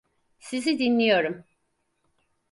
Sizi dinliyorum.